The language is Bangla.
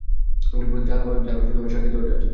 যার সাতটি দরজা আছে।